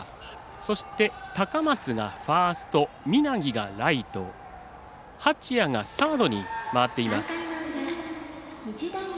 そして、高松がファースト三奈木がライト八谷がサードに回っています。